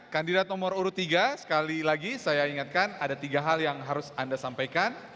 kandidat nomor urut tiga sekali lagi saya ingatkan ada tiga hal yang harus anda sampaikan